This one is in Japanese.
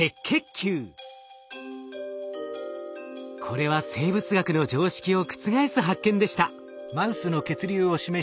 これは生物学の常識を覆す発見でした。